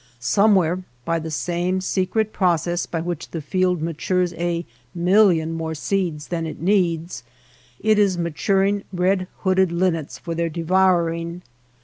Somewhere, by the same secret process by which the field matures a million more seeds than it needs, it is maturing red hooded linnets for their devouring.